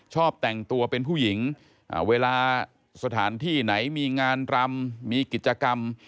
ชอบแต่งตัวเป็นผู้หญิงเวลาสถานที่ไหนมีงานรำมีกิจกรรม